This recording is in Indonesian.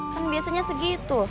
kan biasanya segitu